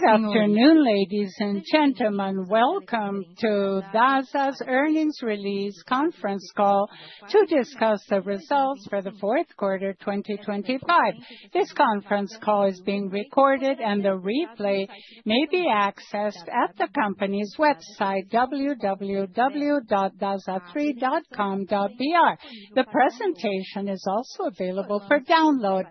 Good afternoon, ladies and gentlemen. Welcome to Dasa's earnings release conference call to discuss the results for the fourth quarter, 2025. This conference call is being recorded and the replay may be accessed at the company's website, www.ri.dasa.com.br. The presentation is also available for download.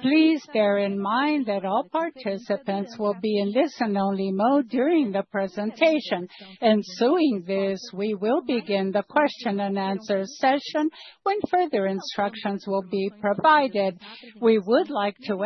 Please bear in mind that all participants will be in listen-only mode during the presentation. Ensuing this, we will begin the question and answer session when further instructions will be provided. We would like to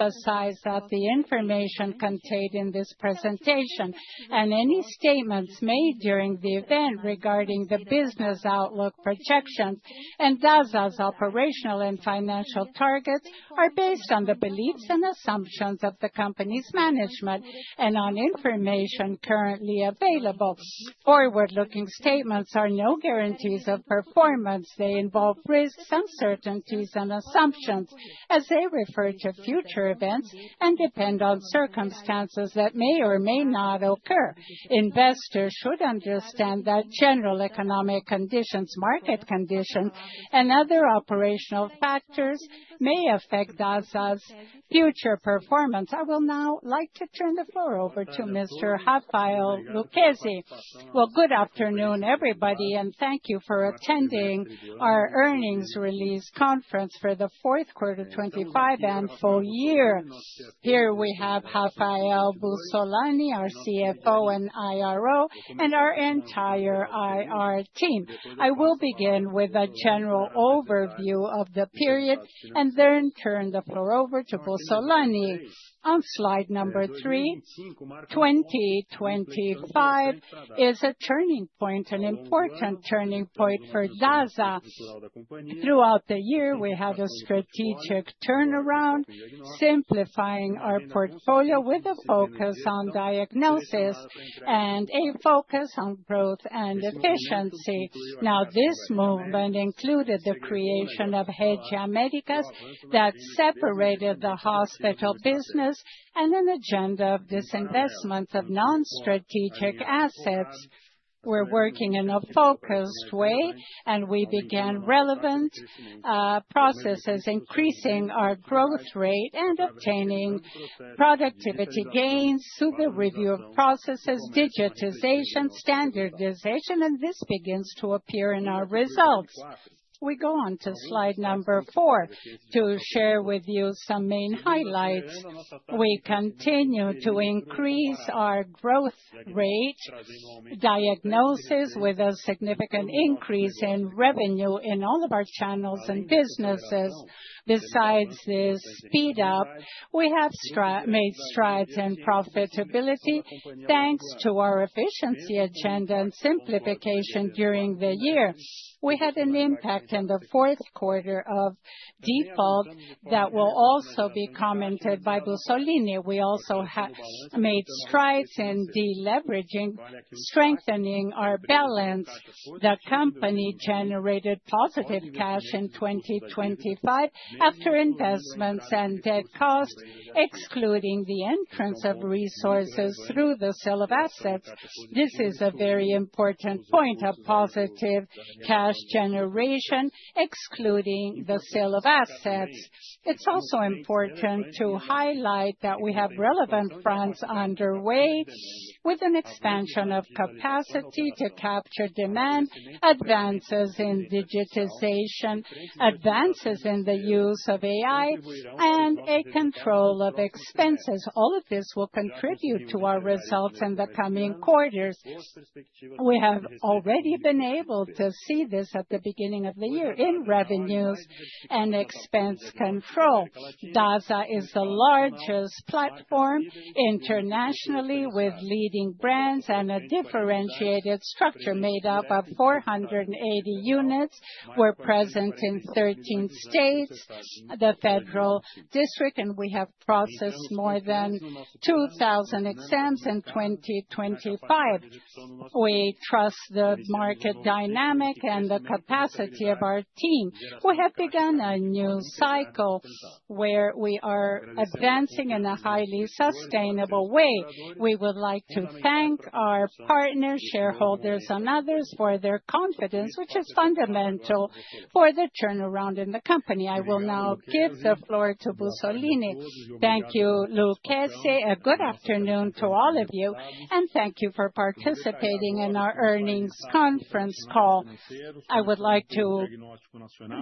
emphasize that the information contained in this presentation and any statements made during the event regarding the business outlook projections and Dasa's operational and financial targets are based on the beliefs and assumptions of the company's management and on information currently available. Forward-looking statements are no guarantees of performance. They involve risks, uncertainties, and assumptions as they refer to future events and depend on circumstances that may or may not occur. Investors should understand that general economic conditions, market conditions, and other operational factors may affect Dasa's future performance. I would now like to turn the floor over to Mr. Rafael Lucchesi. Well, good afternoon, everybody, and thank you for attending our earnings release conference for the fourth quarter 2025 and full year. Here we have Rafael Bossolani, our CFO and IRO, and our entire IR team. I will begin with a general overview of the period and then turn the floor over to Bossolani. On slide number three, 2025 is a turning point, an important turning point for Dasa. Throughout the year, we have a strategic turnaround, simplifying our portfolio with a focus on diagnosis and a focus on growth and efficiency. Now, this movement included the creation of Rede Américas that separated the hospital business and an agenda of disinvestment of non-strategic assets. We're working in a focused way, and we began relevant processes, increasing our growth rate and obtaining productivity gains through the review of processes, digitization, standardization, and this begins to appear in our results. We go on to slide number four to share with you some main highlights. We continue to increase our growth rates, diagnosis with a significant increase in revenue in all of our channels and businesses. Besides this speed-up, we have made strides in profitability, thanks to our efficiency agenda and simplification during the year. We had an impact in the fourth quarter of default that will also be commented by Bossolani. We also made strides in deleveraging, strengthening our balance. The company generated positive cash in 2025 after investments and debt costs, excluding the entrance of resources through the sale of assets. This is a very important point, a positive cash generation, excluding the sale of assets. It's also important to highlight that we have relevant fronts underway with an expansion of capacity to capture demand, advances in digitization, advances in the use of AI, and a control of expenses. All of this will contribute to our results in the coming quarters. We have already been able to see this at the beginning of the year in revenues and expense controls. Dasa is the largest platform internationally with leading brands and a differentiated structure made up of 480 units. We're present in 13 states, the Federal District, and we have processed more than 2,000 exams in 2025. We trust the market dynamic and the capacity of our team. We have begun a new cycle where we are advancing in a highly sustainable way. We would like to thank our partners, shareholders, and others for their confidence, which is fundamental for the turnaround in the company. I will now give the floor to Bossolani. Thank you, Lucchesi, and good afternoon to all of you, and thank you for participating in our earnings conference call. I would like to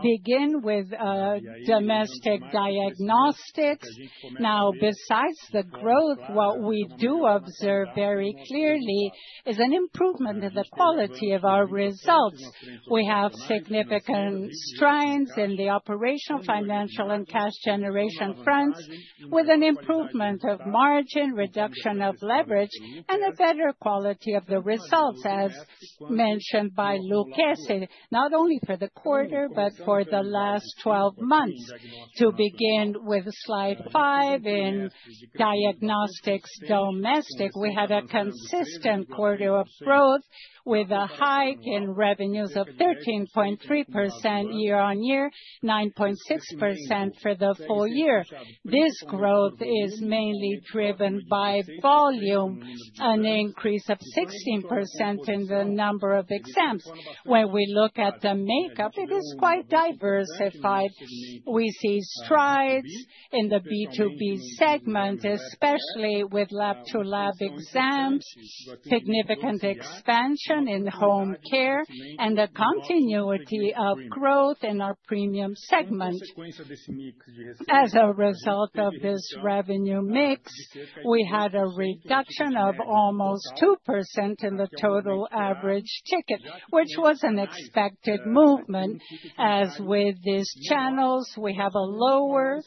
begin with domestic diagnostics. Now, besides the growth, what we do observe very clearly is an improvement in the quality of our results. We have significant strides in the operational, financial and cash generation fronts, with an improvement of margin, reduction of leverage and a better quality of the results, as mentioned by Lucchesi. Not only for the quarter, but for the last twelve months. To begin with slide five, in diagnostics domestic, we had a consistent quarter of growth with a hike in revenues of 13.3% year-on-year, 9.6% for the full year. This growth is mainly driven by volume, an increase of 16% in the number of exams. When we look at the makeup, it is quite diversified. We see strides in the B2B segment, especially with lab-to-lab exams, significant expansion in home care and a continuity of growth in our premium segment. As a result of this revenue mix, we had a reduction of almost 2% in the total average ticket, which was an expected movement. As with these channels, we have a lower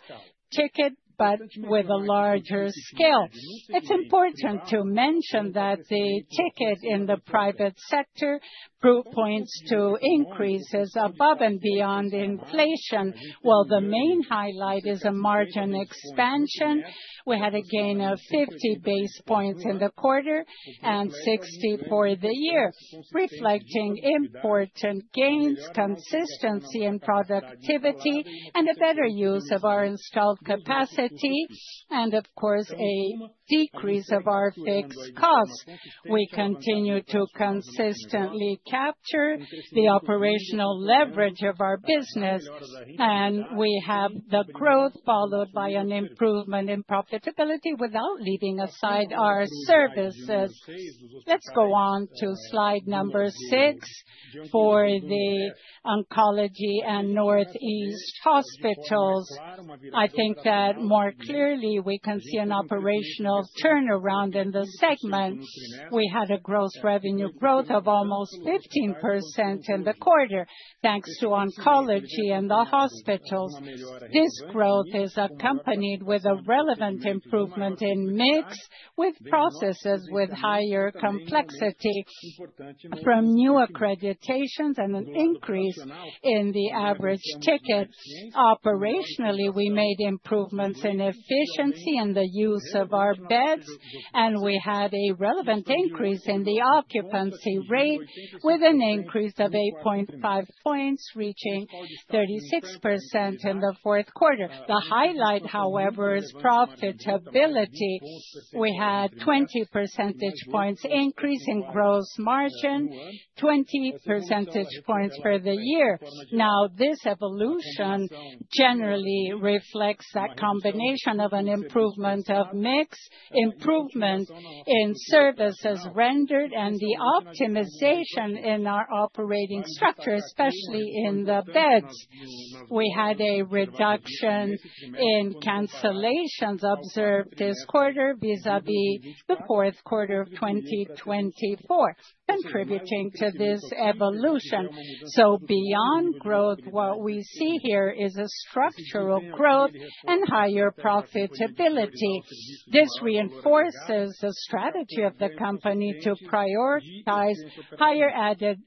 ticket, but with a larger scale. It's important to mention that the ticket in the private sector grew, pointing to increases above and beyond inflation. While the main highlight is a margin expansion, we had a gain of 50 basis points in the quarter and 60 for the year, reflecting important gains, consistency in productivity and a better use of our installed capacity and of course, a decrease of our fixed costs. We continue to consistently capture the operational leverage of our business, and we have the growth followed by an improvement in profitability without leaving aside our services. Let's go on to slide number 6 for the oncology and northeast hospitals. I think that more clearly we can see an operational turnaround in the segment. We had a gross revenue growth of almost 15% in the quarter, thanks to oncology and the hospitals. This growth is accompanied with a relevant improvement in mix with processes with higher complexity from new accreditations and an increase in the average ticket. Operationally, we made improvements in efficiency and the use of our beds, and we had a relevant increase in the occupancy rate with an increase of 8.5 points, reaching 36% in the fourth quarter. The highlight, however, is profitability. We had 20 percentage points increase in gross margin, 20 percentage points for the year. Now, this evolution generally reflects that combination of an improvement of mix, improvement in services rendered and the optimization in our operating structure, especially in the beds. We had a reduction in cancellations observed this quarter vis-à-vis the fourth quarter of 2024 contributing to this evolution. Beyond growth, what we see here is a structural growth and higher profitability. This reinforces the strategy of the company to prioritize higher added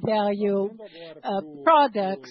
value products.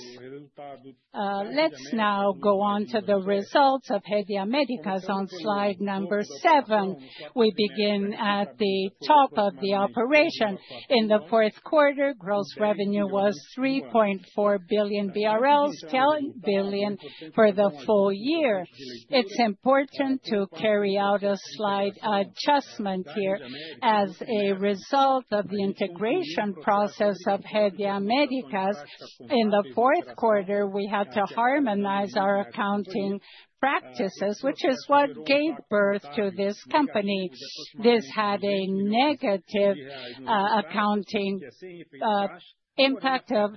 Let's now go on to the results of Rede Américas on slide number seven. We begin at the top of the operation. In the fourth quarter, gross revenue was 3.4 billion BRL, 10 billion for the full year. It's important to carry out a slight adjustment here. As a result of the integration process of Rede Américas, in the fourth quarter, we had to harmonize our accounting practices, which is what gave birth to this company. This had a negative accounting impact of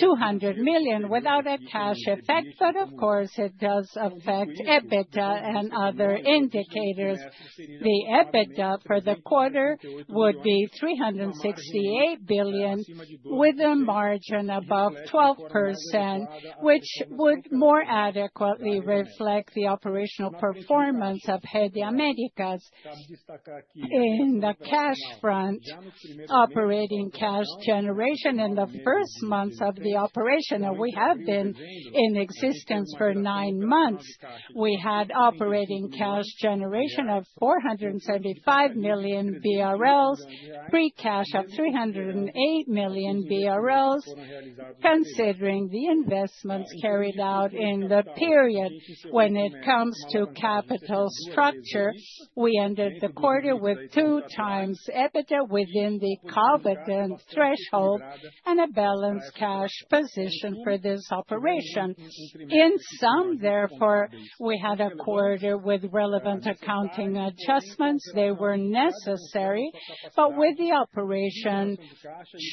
200 million without a cash effect, but of course it does affect EBITDA and other indicators. The EBITDA for the quarter would be 368 million, with a margin above 12%, which would more adequately reflect the operational performance of Rede Américas. In the cash front, operating cash generation in the first months of the operation and we have been in existence for nine months. We had operating cash generation of 475 million BRL, free cash of 308 million BRL, considering the investments carried out in the period. When it comes to capital structure, we ended the quarter with 2x EBITDA within the covenant threshold and a balanced cash position for this operation. In sum, therefore, we had a quarter with relevant accounting adjustments. They were necessary, but with the operation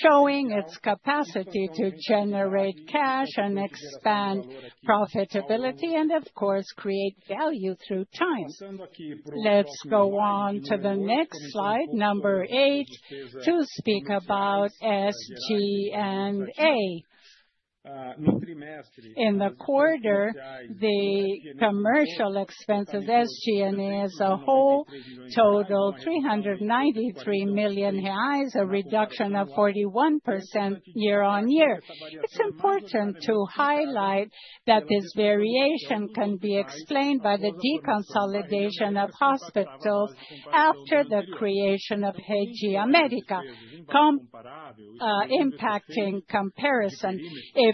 showing its capacity to generate cash and expand profitability and of course, create value through time. Let's go on to the next slide, number eight, to speak about SG&A. In the quarter, the commercial expenses, SG&A as a whole, totaled 393 million reais, a reduction of 41% year-on-year. It's important to highlight that this variation can be explained by the deconsolidation of hospitals after the creation of Higia Médica, impacting comparison.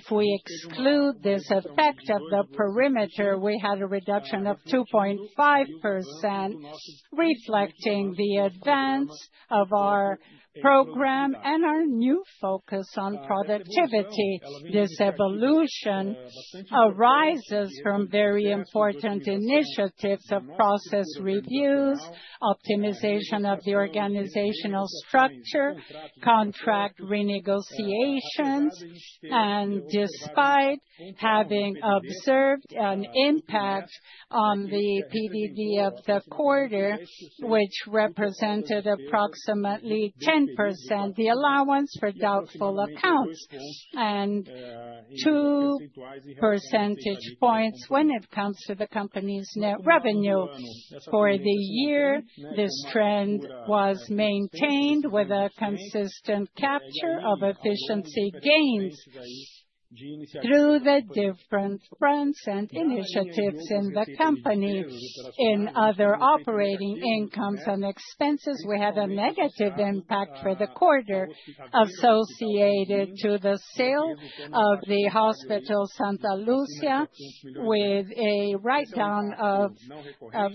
If we exclude this effect of the perimeter, we had a reduction of 2.5%, reflecting the advance of our program and our new focus on productivity. This evolution arises from very important initiatives of process reviews, optimization of the organizational structure, contract renegotiations. Despite having observed an impact on the PDD of the quarter, which represented approximately 10% the allowance for doubtful accounts and 2 percentage points when it comes to the company's net revenue. For the year, this trend was maintained with a consistent capture of efficiency gains through the different fronts and initiatives in the company. In other operating incomes and expenses, we had a negative impact for the quarter associated to the sale of the Hospital Santa Lúcia, with a write-down of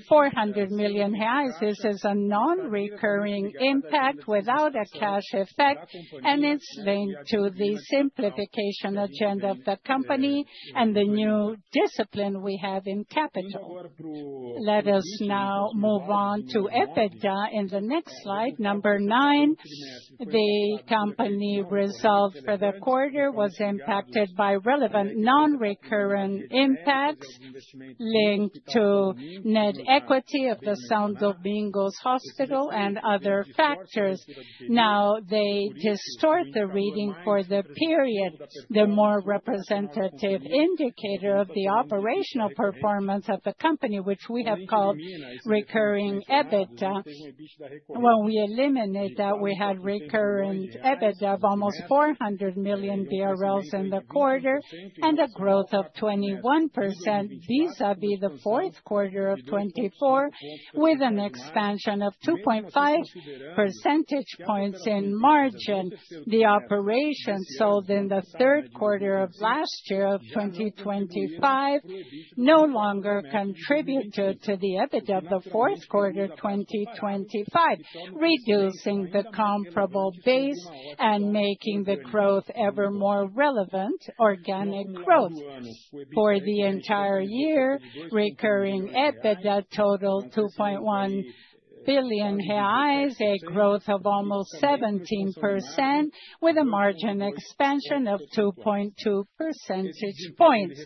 400 million reais. This is a non-recurring impact without a cash effect, and it's linked to the simplification agenda of the company and the new discipline we have in capital. Let us now move on to EBITDA in the next slide, number 9. The company results for the quarter was impacted by relevant non-recurrent impacts linked to net equity of the Hospital São Domingos and other factors. Now they distort the reading for the period. The more representative indicator of the operational performance of the company, which we have called recurring EBITDA. When we eliminate that, we had recurrent EBITDA of almost 400 million BRL in the quarter and a growth of 21% vis-à-vis the fourth quarter of 2024, with an expansion of 2.5 percentage points in margin. The operation sold in the third quarter of last year of 2025 no longer contributed to the EBITDA of the fourth quarter 2025, reducing the comparable base and making the growth ever more relevant organic growth. For the entire year, recurring EBITDA totaled 2.1 billion reais, a growth of almost 17% with a margin expansion of 2.2 percentage points.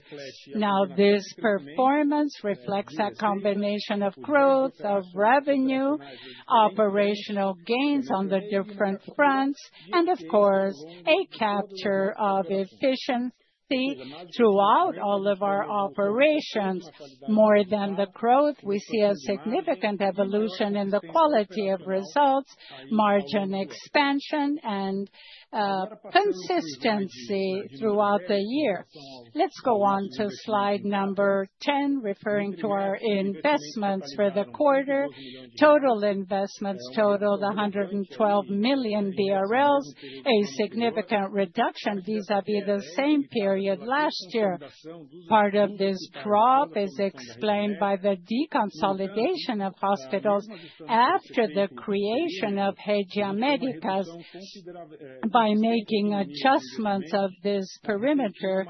Now this performance reflects a combination of growth of revenue, operational gains on the different fronts and of course, a capture of efficiency throughout all of our operations. More than the growth, we see a significant evolution in the quality of results, margin expansion and, consistency throughout the year. Let's go on to slide number 10, referring to our investments for the quarter. Total investments totaled 112 million BRL, a significant reduction vis-à-vis the same period last year. Part of this drop is explained by the deconsolidation of hospitals after the creation of Higia Médica. By making adjustments of this perimeter,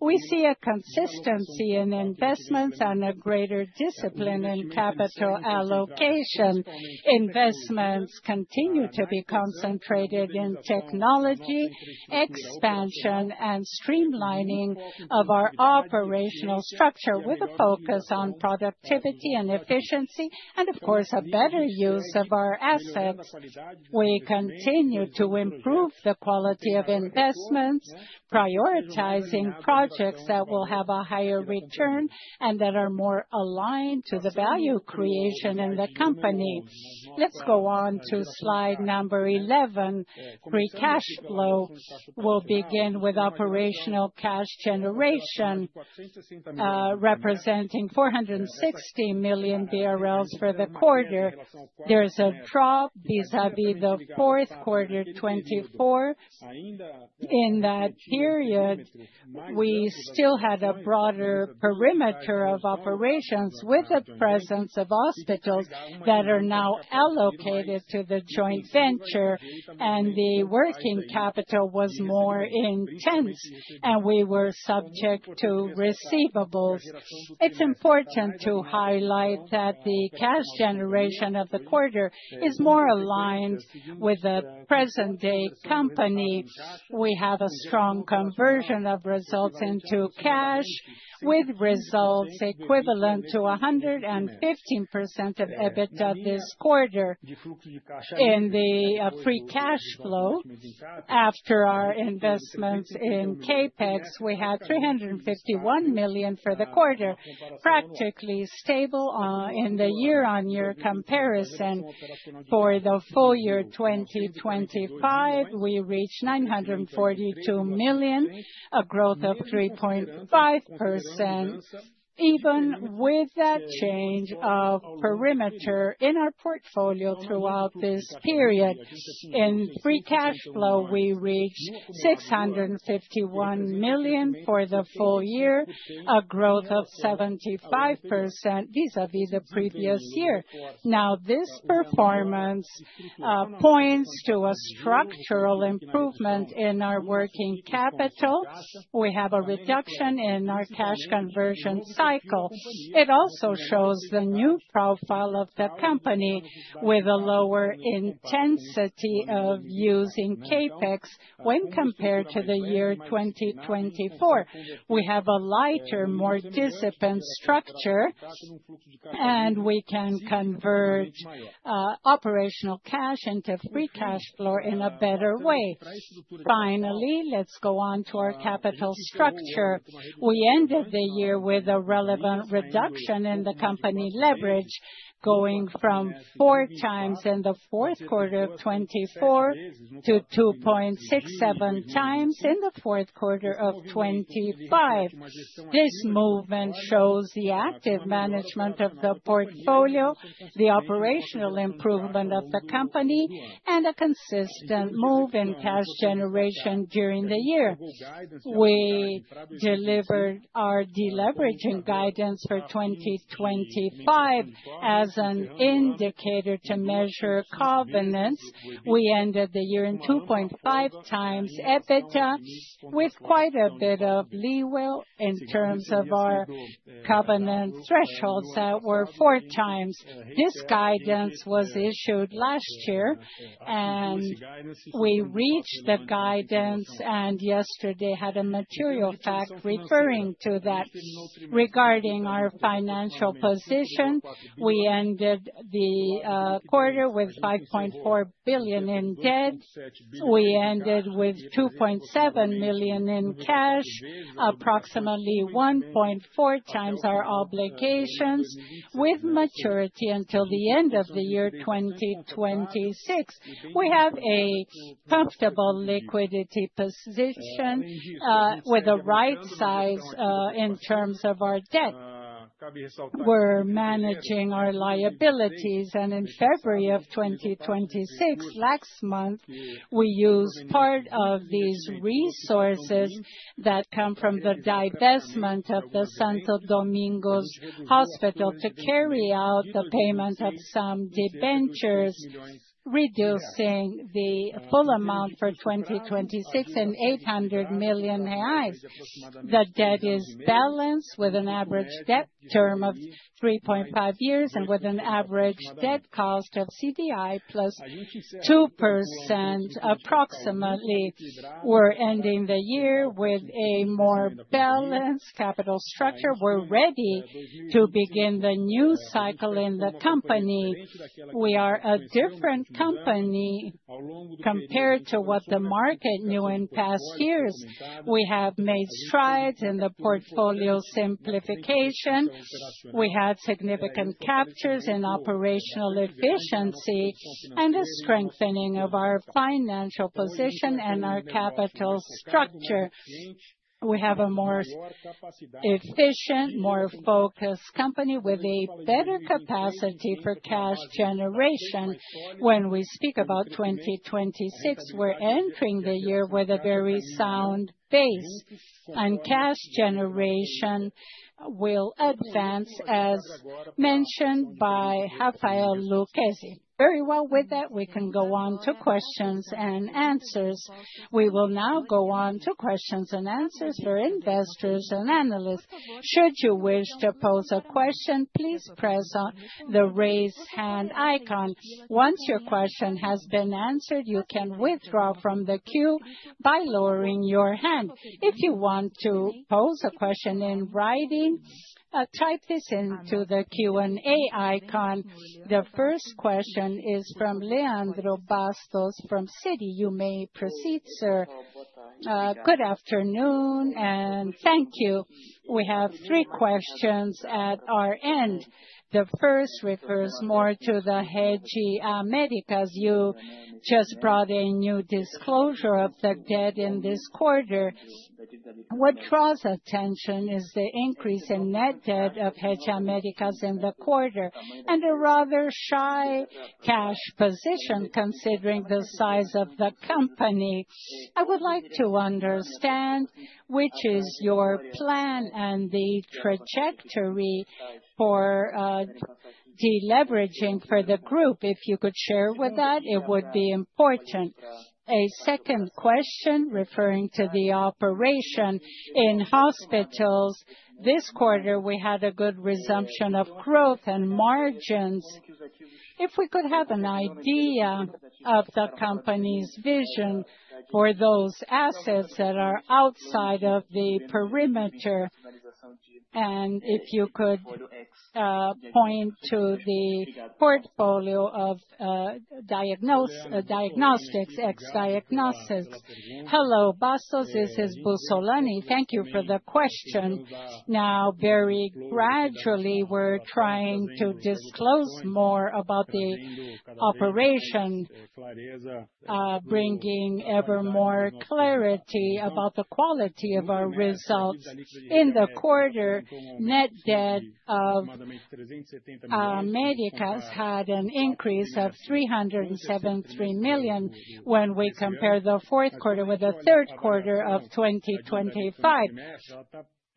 we see a consistency in investments and a greater discipline in capital allocation. Investments continue to be concentrated in technology, expansion and streamlining of our operational structure with a focus on productivity and efficiency and of course, a better use of our assets. We continue to improve the quality of investments, prioritizing projects that will have a higher return and that are more aligned to the value creation in the company. Let's go on to slide number 11. Free cash flow will begin with operational cash generation, representing 460 million BRL for the quarter. There is a drop vis-à-vis the fourth quarter 2024. In that period, we still had a broader perimeter of operations with the presence of hospitals that are now allocated to the joint venture, and the working capital was more intense, and we were subject to receivables. It's important to highlight that the cash generation of the quarter is more aligned with the present-day company. We have a strong conversion of results into cash, with results equivalent to 115% of EBITDA this quarter. In the free cash flow, after our investments in CapEx, we had 351 million for the quarter, practically stable in the year-on-year comparison. For the full year 2025, we reached 942 million, a growth of 3.5% even with that change of perimeter in our portfolio throughout this period. In free cash flow, we reached 651 million for the full year, a growth of 75% vis-à-vis the previous year. Now this performance points to a structural improvement in our working capital. We have a reduction in our cash conversion cycle. It also shows the new profile of the company with a lower intensity of using CapEx when compared to the year 2024. We have a lighter, more disciplined structure, and we can convert operational cash into free cash flow in a better way. Finally, let's go on to our capital structure. We ended the year with a relevant reduction in the company leverage, going from 4x in the fourth quarter of 2024 to 2.67x in the fourth quarter of 2025. This movement shows the active management of the portfolio, the operational improvement of the company, and a consistent move in cash generation during the year. We delivered our deleveraging guidance for 2025 as an indicator to measure covenants. We ended the year in 2.5x EBITDA, with quite a bit of leeway in terms of our covenant thresholds that were 4x. This guidance was issued last year, and we reached the guidance, and yesterday had a material fact referring to that. Regarding our financial position, we ended the quarter with 5.4 billion in debt. We ended with 2.7 million in cash, approximately 1.4 times our obligations, with maturity until the end of the year 2026. We have a comfortable liquidity position, with the right size, in terms of our debt. We're managing our liabilities, and in February 2026, last month, we used part of these resources that come from the divestment of Hospital São Domingos to carry out the payment of some debentures, reducing the full amount for 2026 and 800 million reais. The debt is balanced with an average debt term of 3.5 years and with an average debt cost of CDI + 2% approximately. We're ending the year with a more balanced capital structure. We're ready to begin the new cycle in the company. We are a different company compared to what the market knew in past years. We have made strides in the portfolio simplification. We had significant captures in operational efficiency and a strengthening of our financial position and our capital structure. We have a more efficient, more focused company with a better capacity for cash generation. When we speak about 2026, we're entering the year with a very sound base, and cash generation will advance, as mentioned by Rafael Lucchesi. Very well. With that, we can go on to questions and answers. We will now go on to questions and answers for investors and analysts. Should you wish to pose a question, please press on the Raise Hand icon. Once your question has been answered, you can withdraw from the queue by lowering your hand. If you want to pose a question in writing, type this into the Q&A icon. The first question is from Leandro Bastos from Citi. You may proceed, sir. Good afternoon and thank you. We have three questions at our end. The first refers more to the Rede Américas. You just brought a new disclosure of the debt in this quarter. What draws attention is the increase in net debt of Rede Américas in the quarter, and a rather shy cash position considering the size of the company. I would like to understand which is your plan and the trajectory for deleveraging for the group. If you could share with that, it would be important? A second question referring to the operation in hospitals. This quarter, we had a good resumption of growth and margins. If we could have an idea of the company's vision for those assets that are outside of the perimeter? If you could point to the portfolio of diagnostics, ex-diagnostics? Hello, Bastos. This is Bossolani. Thank you for the question. Now, very gradually, we're trying to disclose more about the operation, bringing evermore clarity about the quality of our results. In the quarter, net debt of Medicas had an increase of 373 million when we compare the fourth quarter with the third quarter of 2025.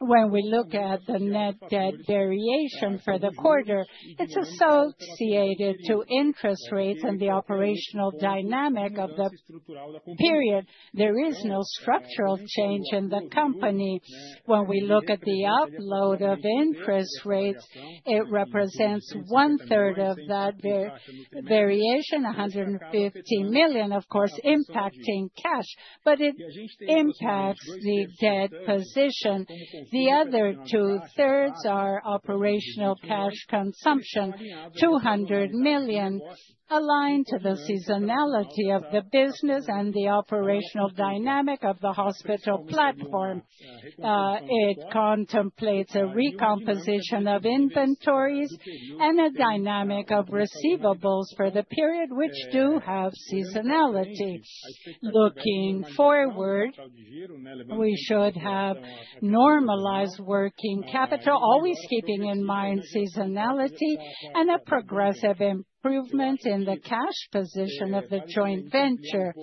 When we look at the net debt variation for the quarter, it's associated to interest rates and the operational dynamic of the period. There is no structural change in the company. When we look at the upward of interest rates, it represents one-third of that variation, 150 million, of course, impacting cash. But it impacts the debt position. The other two-thirds are operational cash consumption, 200 million, aligned to the seasonality of the business and the operational dynamic of the hospital platform. It contemplates a recomposition of inventories and a dynamic of receivables for the period which do have seasonality. Looking forward, we should have normalized working capital, always keeping in mind seasonality and a progressive improvement in the cash position of the joint venture.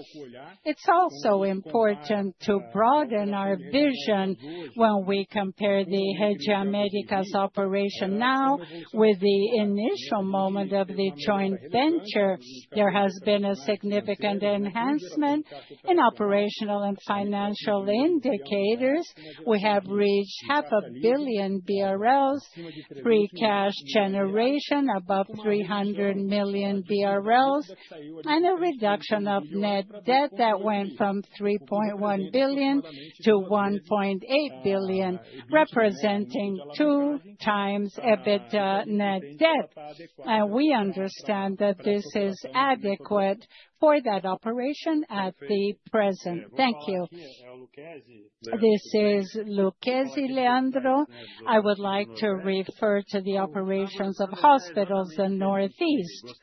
It's also important to broaden our vision when we compare the Rede Américas operation now with the initial moment of the joint venture. There has been a significant enhancement in operational and financial indicators. We have reached half a billion BRL, free cash generation above 300 million BRL, and a reduction of net debt that went from 3.1 billion to 1.8 billion, representing 2x EBITDA net debt. We understand that this is adequate for that operation at present. Thank you. This is Lucchesi, Leandro. I would like to refer to the operations of hospitals in Northeast.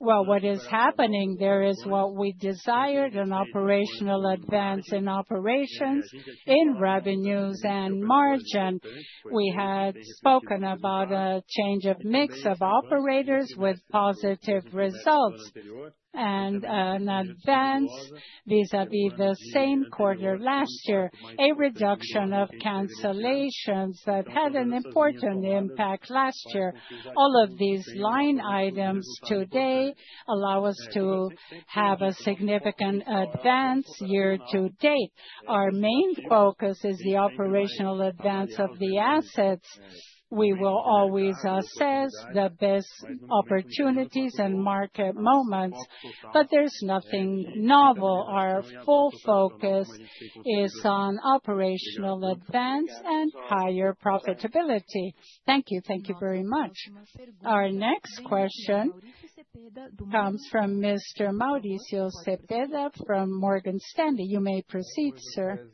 Well, what is happening there is what we desired, an operational advance in operations, in revenues and margin. We had spoken about a change of mix of operators with positive results and an advance vis-à-vis the same quarter last year, a reduction of cancellations that had an important impact last year. All of these line items today allow us to have a significant advance year to date. Our main focus is the operational advance of the assets. We will always assess the best opportunities and market moments, but there's nothing novel. Our full focus is on operational advance and higher profitability. Thank you. Thank you very much. Our next question comes from Mr. Maurício Cepeda from Morgan Stanley. You may proceed, sir.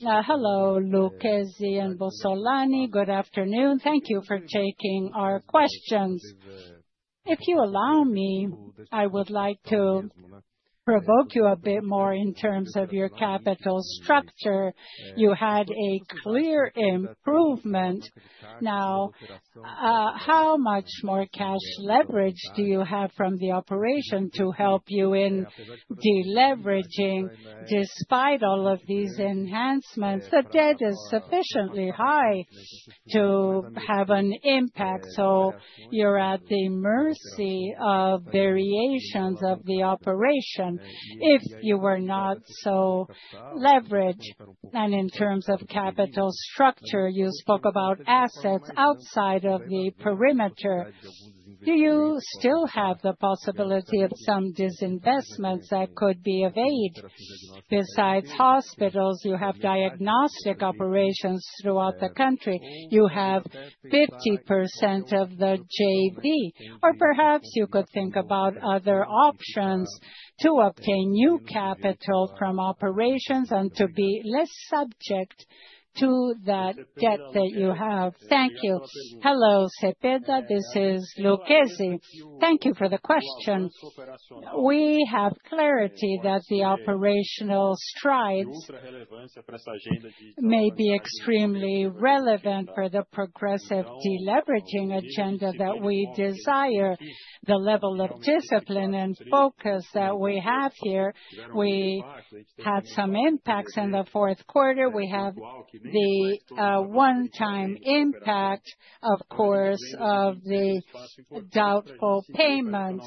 Hello, Lucchesi and Bossolani. Good afternoon. Thank you for taking our questions. If you allow me, I would like to provoke you a bit more in terms of your capital structure. You had a clear improvement. Now, how much more cash leverage do you have from the operation to help you in deleveraging despite all of these enhancements? The debt is sufficiently high to have an impact, so you're at the mercy of variations of the operation if you were not so leveraged. In terms of capital structure, you spoke about assets outside of the perimeter. Do you still have the possibility of some disinvestment that could be of aid? Besides hospitals, you have diagnostic operations throughout the country. You have 50% of the JV, or perhaps you could think about other options to obtain new capital from operations and to be less subject to that debt that you have. Thank you. Hello, Maurício Cepeda. This is Rafael Lucchesi. Thank you for the question. We have clarity that the operational strides may be extremely relevant for the progressive deleveraging agenda that we desire. The level of discipline and focus that we have here, we had some impacts in the fourth quarter. We have the one-time impact, of course, of the doubtful payments.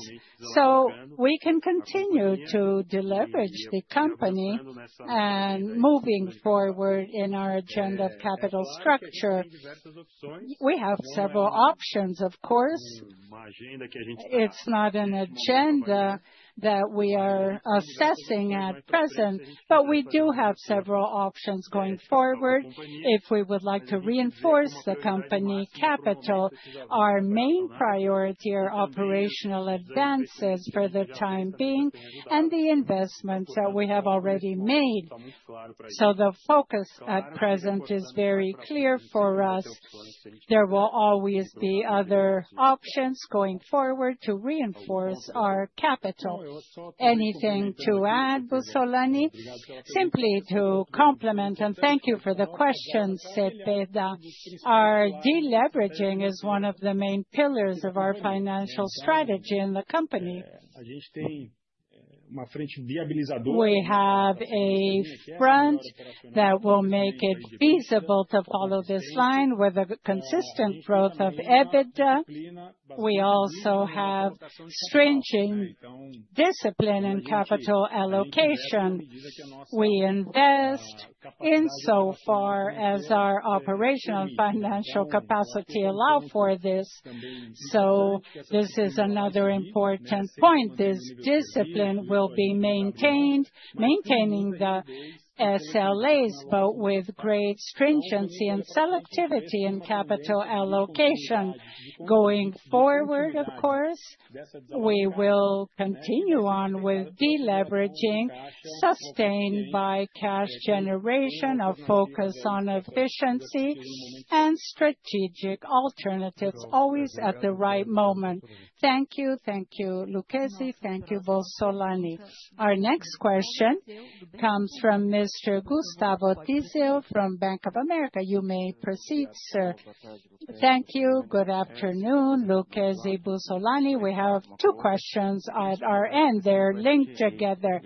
We can continue to deleverage the company and moving forward in our agenda of capital structure. We have several options, of course. It's not an agenda that we are assessing at present, but we do have several options going forward if we would like to reinforce the company capital. Our main priority are operational advances for the time being and the investments that we have already made. The focus at present is very clear for us. There will always be other options going forward to reinforce our capital. Anything to add, Bossolani? Simply to complement and thank you for the question, Cepeda. Our deleveraging is one of the main pillars of our financial strategy in the company. We have a front that will make it feasible to follow this line with a consistent growth of EBITDA. We also have stringent discipline and capital allocation. We invest insofar as our operational financial capacity allow for this. This is another important point. This discipline will be maintained, maintaining the SLAs, but with great stringency and selectivity in capital allocation. Going forward, of course, we will continue on with de-leveraging sustained by cash generation, a focus on efficiency and strategic alternatives always at the right moment. Thank you. Thank you, Lucchesi. Thank you, Bossolani. Our next question comes from Mr. Gustavo Tiseo from Bank of America. You may proceed, sir. Thank you. Good afternoon, Lucchesi, Bossolani. We have two questions at our end. They're linked together.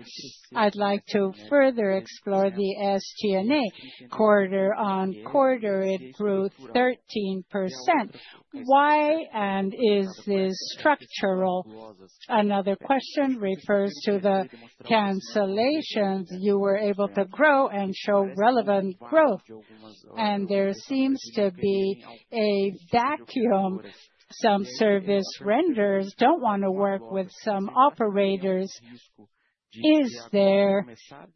I'd like to further explore the SG&A. Quarter-over-quarter, it grew 13%. Why, and is this structural? Another question refers to the cancellations. You were able to grow and show relevant growth, and there seems to be a vacuum. Some service renderers don't wanna work with some operators. Is there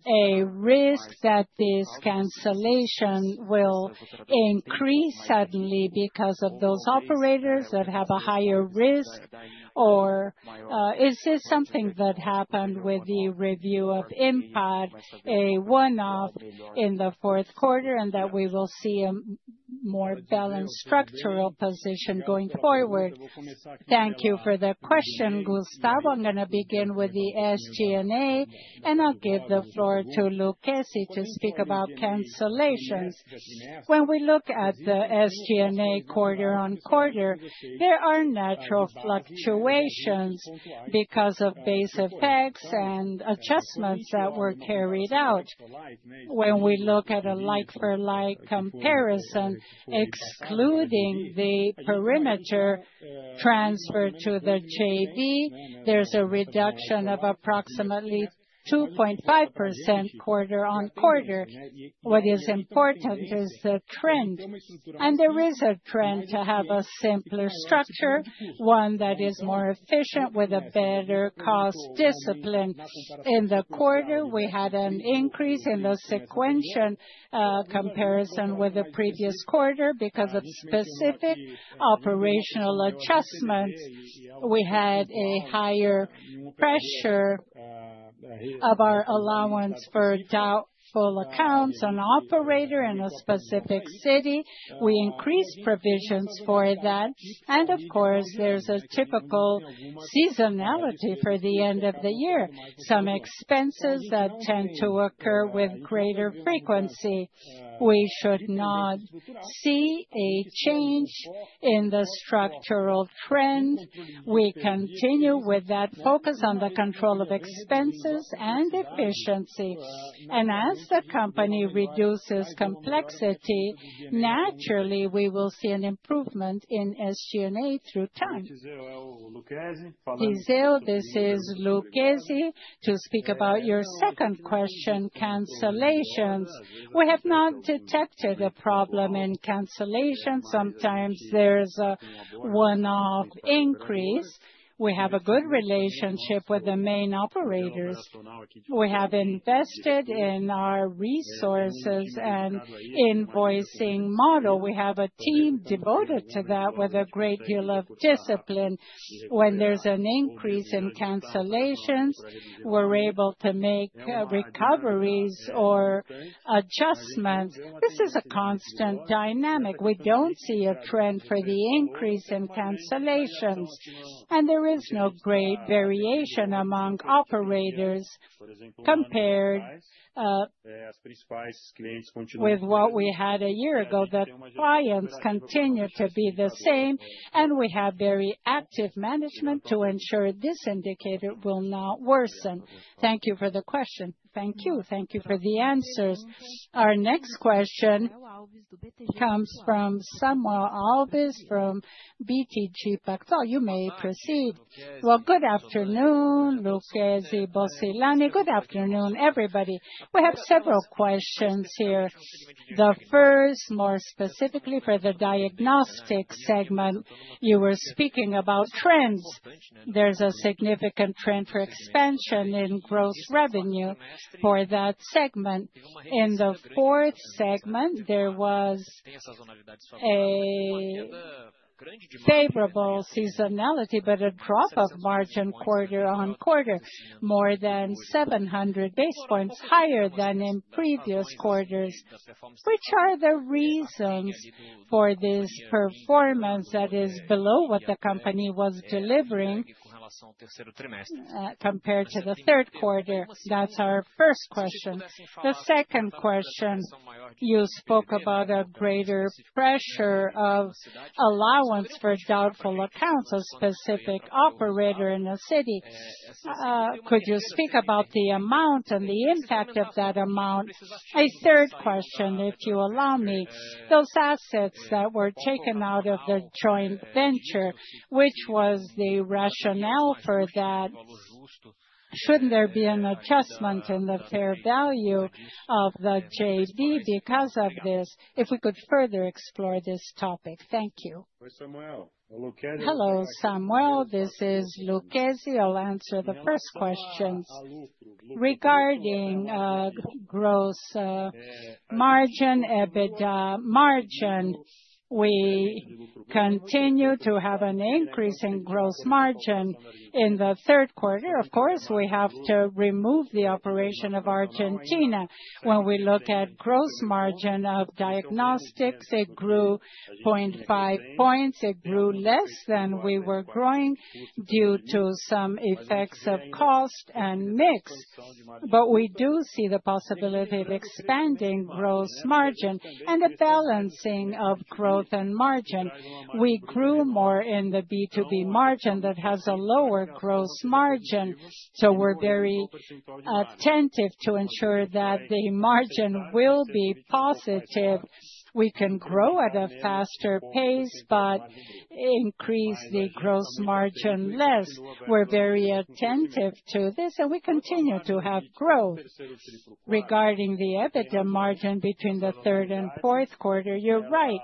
a risk that this cancellation will increase suddenly because of those operators that have a higher risk? Or, is this something that happened with the review of impact, a one-off in the fourth quarter, and that we will see a more balanced structural position going forward? Thank you for the question, Gustavo. I'm gonna begin with the SG&A, and I'll give the floor to Lucchesi to speak about cancellations. When we look at the SG&A quarter-over-quarter, there are natural fluctuations because of base effects and adjustments that were carried out. When we look at a like-for-like comparison, excluding the perimeter transfer to the JV, there's a reduction of approximately 2.5% quarter-over-quarter. What is important is the trend, and there is a trend to have a simpler structure, one that is more efficient with a better cost discipline. In the quarter, we had an increase in the sequential comparison with the previous quarter because of specific operational adjustments. We had a higher pressure of our allowance for doubtful accounts on operations in a specific city. We increased provisions for that, and of course, there's a typical seasonality for the end of the year, some expenses that tend to occur with greater frequency. We should not see a change in the structural trend. We continue with that focus on the control of expenses and efficiency, and as the company reduces complexity, naturally we will see an improvement in SG&A through time. Tiseo, this is Lucchesi. To speak about your second question, cancellations. We have not detected a problem in cancellations. Sometimes there's a one-off increase. We have a good relationship with the main operators. We have invested in our resources and invoicing model. We have a team devoted to that with a great deal of discipline. When there's an increase in cancellations, we're able to make recoveries or adjustments. This is a constant dynamic. We don't see a trend for the increase in cancellations, and there is no great variation among operators compared with what we had a year ago, that clients continue to be the same, and we have very active management to ensure this indicator will not worsen. Thank you for the question. Thank you. Thank you for the answers. Our next question comes from Samuel Alves from BTG Pactual. You may proceed. Well, good afternoon, Lucchesi, Bossolani. Good afternoon, everybody. We have several questions here. The first question, more specifically for the diagnostics segment. You were speaking about trends. There's a significant trend for expansion in gross revenue for that segment. In the fourth quarter, there was a favorable seasonality, but a drop in margin quarter-on-quarter, more than 700 basis points higher than in previous quarters. What are the reasons for this performance that is below what the company was delivering, compared to the third quarter? That's our first question. The second question, you spoke about a greater pressure of allowance for doubtful accounts, a specific operator in the city. Could you speak about the amount and the impact of that amount? A third question, if you allow me. Those assets that were taken out of the joint venture, what was the rationale for that? Shouldn't there be an adjustment in the fair value of the JV because of this? If we could further explore this topic? Thank you. Hello, Samuel. This is Lucchesi. I'll answer the first questions. Regarding gross margin, EBITDA margin, we continue to have an increase in gross margin. In the third quarter, of course, we have to remove the operation of Argentina. When we look at gross margin of diagnostics, it grew 0.5 points. It grew less than we were growing due to some effects of cost and mix. But we do see the possibility of expanding gross margin and a balancing of growth and margin. We grew more in the B2B margin that has a lower gross margin, so we're very attentive to ensure that the margin will be positive. We can grow at a faster pace but increase the gross margin less. We're very attentive to this, and we continue to have growth. Regarding the EBITDA margin between the third and fourth quarter, you're right.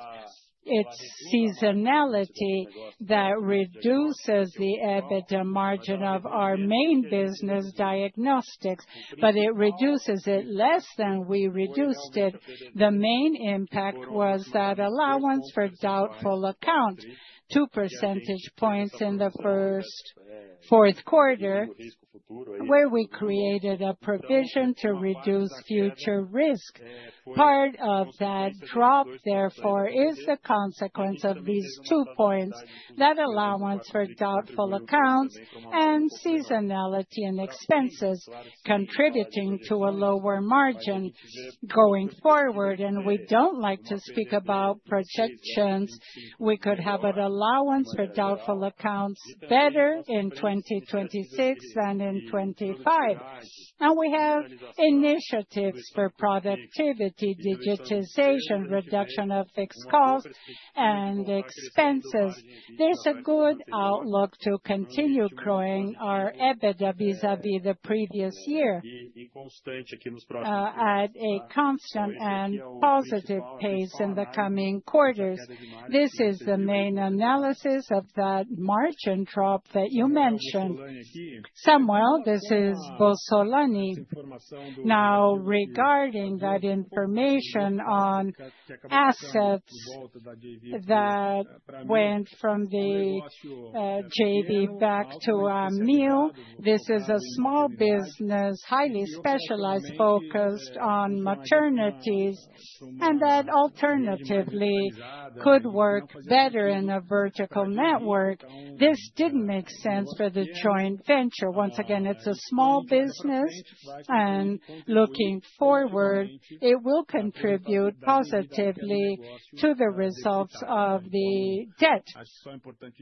It's seasonality that reduces the EBITDA margin of our main business diagnostics, but it reduces it less than we reduced it. The main impact was that allowance for doubtful accounts, two percentage points in the fourth quarter, where we created a provision to reduce future risk. Part of that drop, therefore, is the consequence of these two points, that allowance for doubtful accounts and seasonality and expenses contributing to a lower margin going forward. We don't like to speak about projections. We could have an allowance for doubtful accounts better in 2026 than in 2025. Now we have initiatives for productivity, digitization, reduction of fixed costs and expenses. There's a good outlook to continue growing our EBITDA vis-à-vis the previous year at a constant and positive pace in the coming quarters. This is the main analysis of that margin drop that you mentioned. Samuel, this is Bossolani. Now, regarding that information on assets that went from the JV back to Amil, this is a small business, highly specialized, focused on maternities, and that alternatively could work better in a vertical network. This didn't make sense for the joint venture. Once again, it's a small business, and looking forward, it will contribute positively to the results of the debt.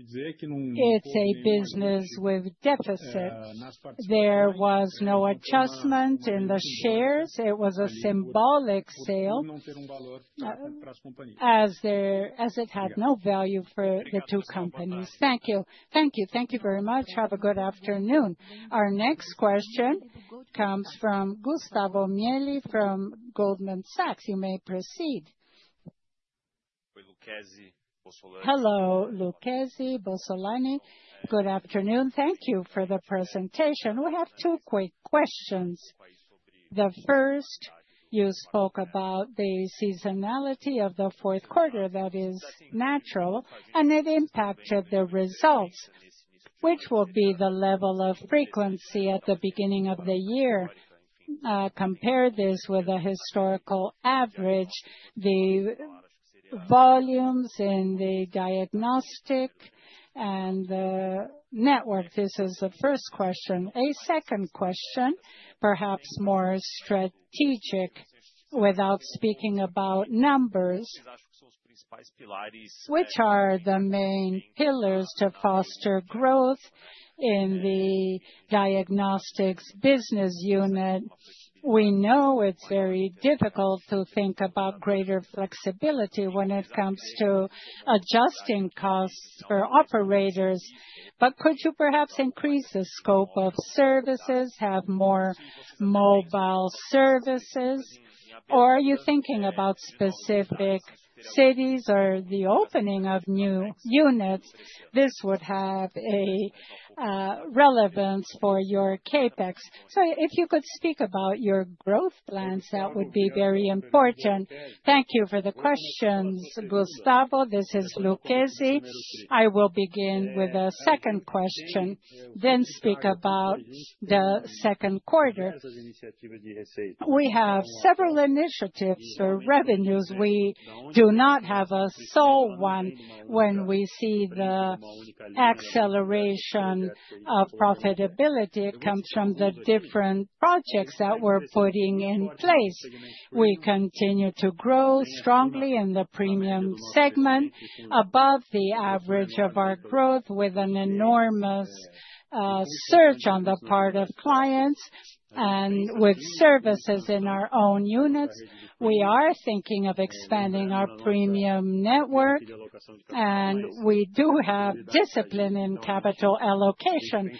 It's a business with deficits. There was no adjustment in the shares. It was a symbolic sale, as it had no value for the two companies. Thank you very much. Have a good afternoon. Our next question comes from Gustavo Miele from Goldman Sachs. You may proceed. Hello, Lucchesi, Bossolani. Good afternoon. Thank you for the presentation. We have two quick questions. The first, you spoke about the seasonality of the fourth quarter that is natural, and it impacted the results. Which will be the level of frequency at the beginning of the year? Compare this with the historical average, the volumes in the diagnostics and the network. This is the first question. A second question, perhaps more strategic, without speaking about numbers. Which are the main pillars to foster growth in the diagnostics business unit. We know it's very difficult to think about greater flexibility when it comes to adjusting costs for operators. Could you perhaps increase the scope of services, have more mobile services? Or are you thinking about specific cities or the opening of new units? This would have a relevance for your CapEx. If you could speak about your growth plans, that would be very important? Thank you for the questions, Gustavo. This is Lucchesi. I will begin with the second question, then speak about the second quarter. We have several initiatives for revenues. We do not have a sole one when we see the acceleration of profitability. It comes from the different projects that we're putting in place. We continue to grow strongly in the premium segment, above the average of our growth, with an enormous surge on the part of clients and with services in our own units. We are thinking of expanding our premium network, and we do have discipline in capital allocation.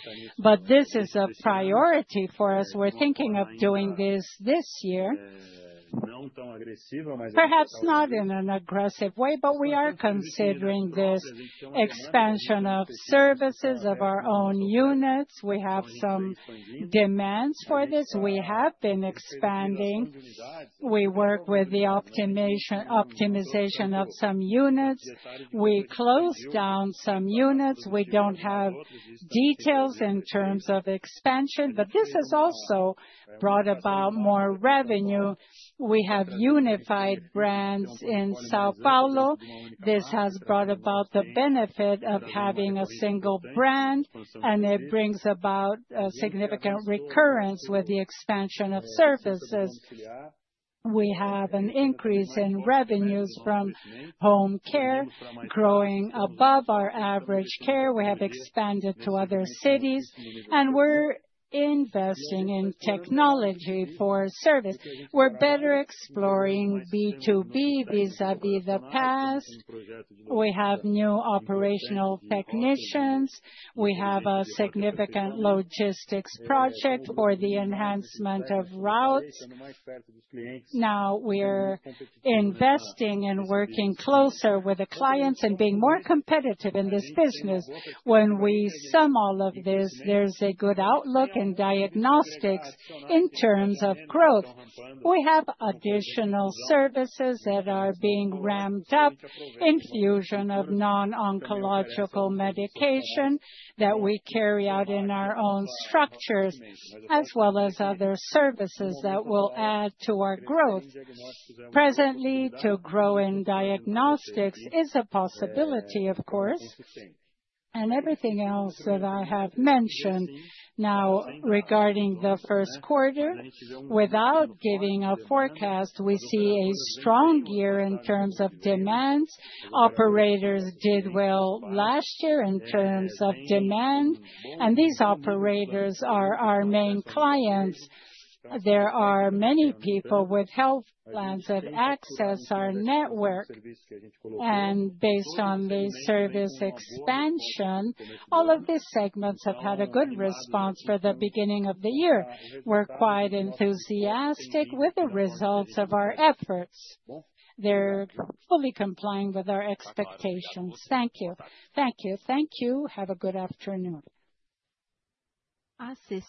This is a priority for us. We're thinking of doing this year. Perhaps not in an aggressive way, but we are considering this expansion of services of our own units. We have some demands for this. We have been expanding. We work with the optimization of some units. We closed down some units. We don't have details in terms of expansion, but this has also brought about more revenue. We have unified brands in São Paulo. This has brought about the benefit of having a single brand, and it brings about a significant recurrence with the expansion of services. We have an increase in revenues from home care growing above our average care. We have expanded to other cities, and we're investing in technology for service. We're better exploring B2B vis-à-vis the past. We have new operational technicians. We have a significant logistics project for the enhancement of routes. Now we're investing in working closer with the clients and being more competitive in this business. When we sum all of this, there's a good outlook in diagnostics in terms of growth. We have additional services that are being ramped up, infusion of non-oncological medication that we carry out in our own structures, as well as other services that will add to our growth. Presently, to grow in diagnostics is a possibility, of course, and everything else that I have mentioned. Now, regarding the first quarter, without giving a forecast, we see a strong year in terms of demands. Operators did well last year in terms of demand, and these operators are our main clients. There are many people with health plans that access our network. Based on the service expansion, all of these segments have had a good response for the beginning of the year. We're quite enthusiastic with the results of our efforts. They're fully complying with our expectations. Thank you. Have a good afternoon. The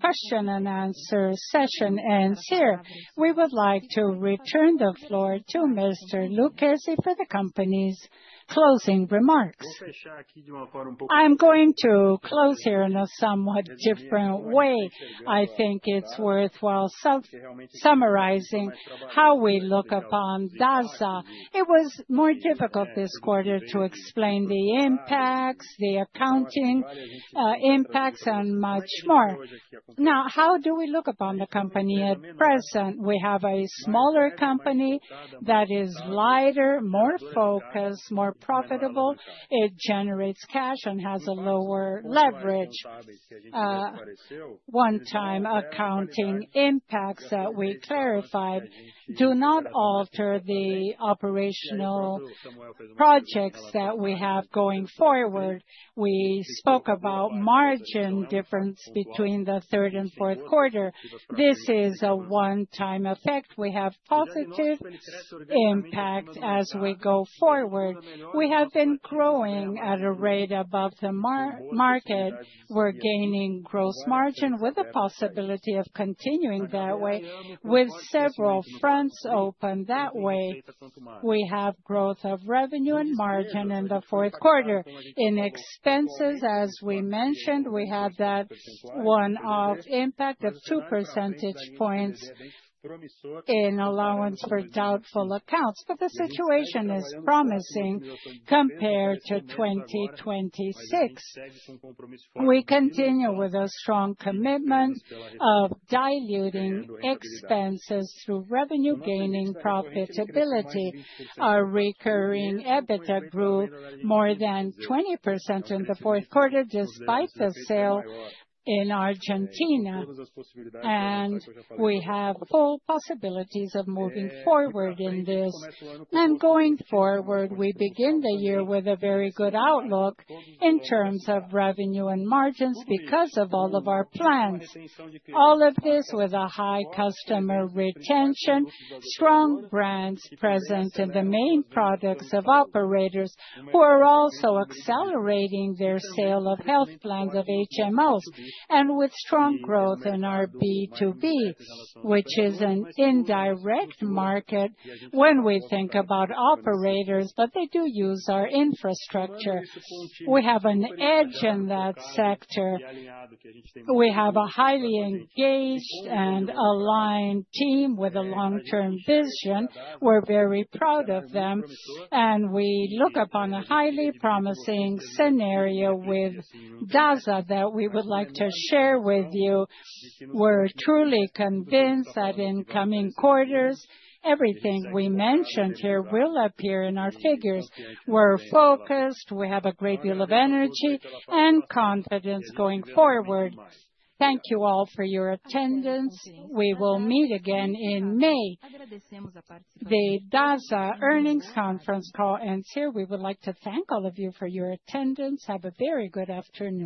question and answer session ends here. We would like to return the floor to Mr. Lucchesi for the company's closing remarks. I'm going to close here in a somewhat different way. I think it's worthwhile self-summarizing how we look upon Dasa. It was more difficult this quarter to explain the impacts, the accounting impacts, and much more. Now, how do we look upon the company at present? We have a smaller company that is lighter, more focused, more profitable. It generates cash and has a lower leverage. One-time accounting impacts that we clarified do not alter the operational prospects that we have going forward. We spoke about margin difference between the third and fourth quarter. This is a one-time effect. We have positive impact as we go forward. We have been growing at a rate above the market. We're gaining gross margin with the possibility of continuing that way. With several fronts open that way, we have growth of revenue and margin in the fourth quarter. In expenses, as we mentioned, we have that one-off impact of two percentage points in allowance for doubtful accounts. The situation is promising compared to 2026. We continue with a strong commitment of diluting expenses through revenue gaining profitability. Our recurring EBITDA grew more than 20% in the fourth quarter, despite the sale in Argentina. We have full possibilities of moving forward in this. Going forward, we begin the year with a very good outlook in terms of revenue and margins because of all of our plans. All of this with a high customer retention, strong brands present in the main products of operators who are also accelerating their sale of health plans of HMOs, and with strong growth in our B2B, which is an indirect market when we think about operators, but they do use our infrastructure. We have an edge in that sector. We have a highly engaged and aligned team with a long-term vision. We're very proud of them, and we look upon a highly promising scenario with Dasa that we would like to share with you. We're truly convinced that in coming quarters, everything we mentioned here will appear in our figures. We're focused, we have a great deal of energy and confidence going forward. Thank you all for your attendance. We will meet again in May. The Dasa earnings conference call ends here. We would like to thank all of you for your attendance. Have a very good afternoon.